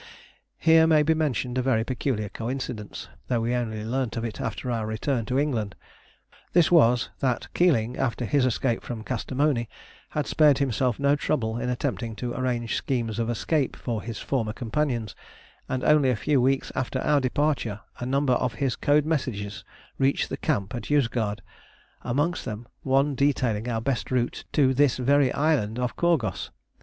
Here may be mentioned a very peculiar coincidence, although we only learnt of it after our return to England. This was, that Keeling, after his escape from Kastamoni, had spared himself no trouble in attempting to arrange schemes of escape for his former companions, and only a few weeks after our departure a number of his code messages reached the camp at Yozgad, amongst them one detailing our best route to this very island of Korghos.